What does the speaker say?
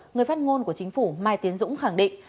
người phát ngôn của chính phủ mai tiến dũng khẳng định